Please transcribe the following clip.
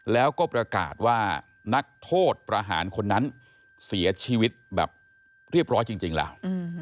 แล้วก็ประกาศว่านักโทษประหารคนนั้นเสียชีวิตแบบเรียบร้อยจริงแล้ว